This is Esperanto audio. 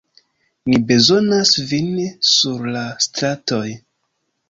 Ni bezonas vin sur la stratoj.